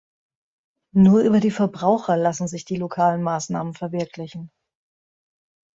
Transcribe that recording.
Nur über die Verbraucher lassen sich die lokalen Maßnahmen verwirklichen.